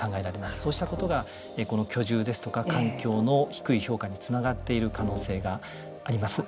そうしたことが、居住ですとか環境の低い評価につながっている可能性があります。